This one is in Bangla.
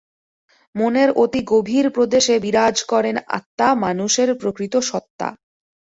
মনের অতি-গভীর প্রদেশে বিরাজ করেন আত্মা, মানুষের প্রকৃত সত্তা।